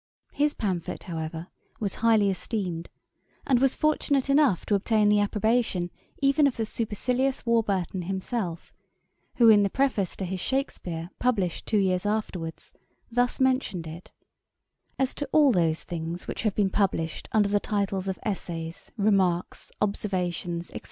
His pamphlet, however, was highly esteemed, and was fortunate enough to obtain the approbation even of the supercilious Warburton himself, who, in the Preface to his Shakspeare published two years afterwards, thus mentioned it: 'As to all those things which have been published under the titles of Essays, Remarks, Observations, &c.